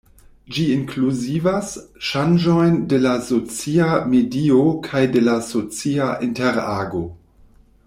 Ĝi inkluzivas ŝanĝojn de la socia medio kaj de la socia interago.